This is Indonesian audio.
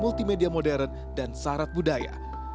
multimedia modern dan syarat budaya